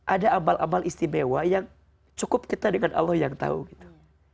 ada amal amal istimewa yang cukup kita dengan allah yang tahu gitu